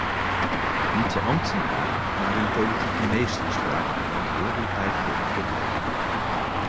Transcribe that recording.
Niet de ambtenaren maar hun politieke meesters dragen de verantwoordelijkheid voor de problemen.